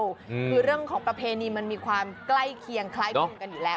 คือเรื่องของประเพณีมันมีความใกล้เคียงคล้ายคลุมกันอยู่แล้ว